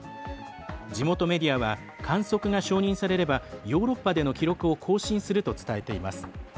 地元メディアは観測が承認されればヨーロッパでの記録を更新すると伝えています。